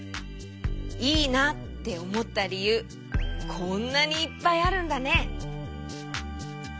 いいなっておもったりゆうこんなにいっぱいあるんだね。